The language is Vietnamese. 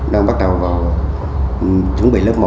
đang bắt đầu vào chuẩn bị lớp một